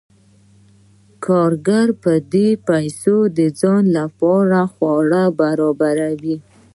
کارګر په دې پیسو د ځان لپاره خواړه برابروي